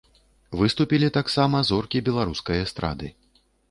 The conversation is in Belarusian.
Выступілі таксама зоркі беларускай эстрады.